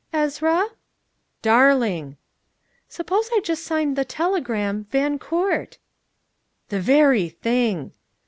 "Ezra?" "Darling!" "Suppose I just signed the telegram Van Coort?" "The very thing!"